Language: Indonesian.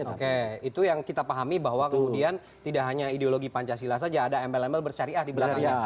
oke itu yang kita pahami bahwa kemudian tidak hanya ideologi pancasila saja ada embel embel bersyariah di belakangnya